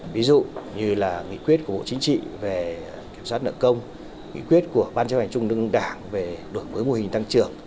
ví dụ như là nghị quyết của bộ chính trị về kiểm soát nợ công nghị quyết của ban chấp hành trung ương đảng về đổi mới mô hình tăng trưởng